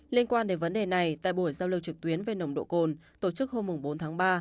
liên quan đến vấn đề này tại buổi giao lưu trực tuyến về nồng độ cồn tổ chức hôm bốn tháng ba